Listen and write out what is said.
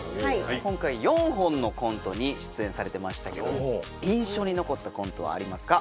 今回４本のコントに出演されてましたけど印象に残ったコントはありますか？